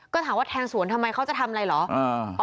ก็ถามว่าแทงสวนทำไมเขาจะทำอะไรเหรอ